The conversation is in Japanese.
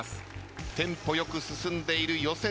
テンポよく進んでいる予選